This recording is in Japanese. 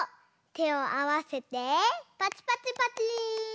てをあわせてパチパチパチー！